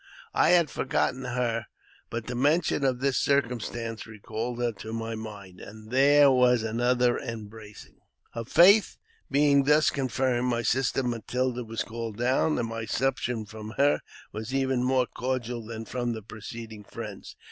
I had forgotten her, the mention of this circumstance recalled her to my mind, d there was another embracing. Her faith being thus confirmed, my sister Matilda was called M jH 316 AUTOBIOGBAPHY OF down, and my reception from her was even more cordial than from the preceding friends.